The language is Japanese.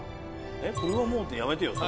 「これはもう」ってやめてよ。